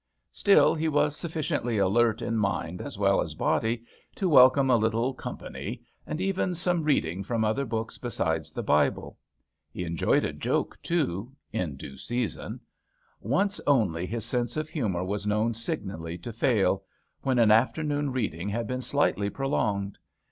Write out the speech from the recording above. Still, he was sufficiently alert in mind as well as body to welcome a little "company," and even some reading from other books besides the Bible. He enjoyed a joke, too — in due season. Once only his sense of humour was known signally to fail, when an afternoon reading had been slightly prolonged.